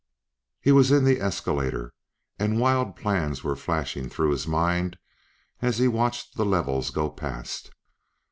He was in the escalator, and wild plans were flashing through his mind as he watched the levels go past.